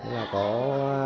là có đe dọa